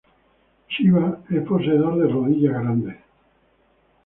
Shiva es poseedor de rodillas grandes.